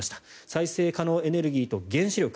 再生可能エネルギーと原子力